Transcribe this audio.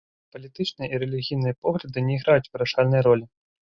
Палітычныя і рэлігійныя погляды не іграюць вырашальнай ролі.